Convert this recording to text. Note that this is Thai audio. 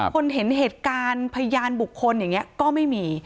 คนเห็นเหตุการณ์พยานบุคคลอย่างนี้ก็ไม่มี